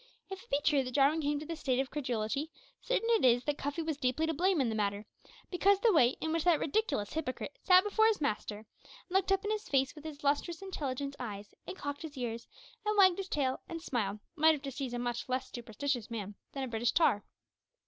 If it be true that Jarwin came to this state of credulity, certain it is that Cuffy was deeply to blame in the matter, because the way in which that ridiculous hypocrite sat before his master, and looked up in his face with his lustrous, intelligent eyes, and cocked his ears, and wagged his tail, and smiled, might have deceived a much less superstitious man than a British tar.